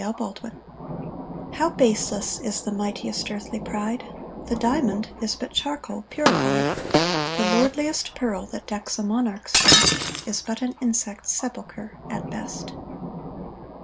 =Earthly Pride= How baseless is the mightiest earthly pride, The diamond is but charcoal purified, The lordliest pearl that decks a monarch's breast Is but an insect's sepulchre at best.